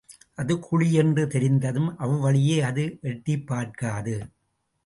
அது குழி என்று தெரிந்ததும் அவ்வழியே அது எட்டிப்பார்க்காது.